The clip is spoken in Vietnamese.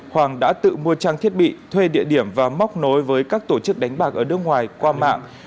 hoàng đã tự mua trang thiết bị thuê địa điểm và móc nối với các tổ chức đánh bạc ở nước ngoài qua mạng